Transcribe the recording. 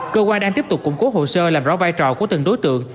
cơ quan đang tiếp tục củng cố hồ sơ làm rõ vai trò của từng đối tượng